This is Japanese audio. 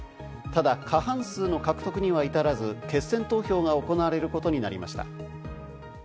ただ過半数の獲得には至らず決選投票が行われることになりました。